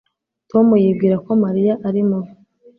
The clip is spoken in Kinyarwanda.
Tom yibwira ko Mariya ari mubi